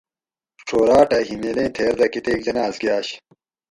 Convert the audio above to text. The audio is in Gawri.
چھوراۤٹہ ھیمیل ایں تھیر دہ کتیک جناۤز گاۤش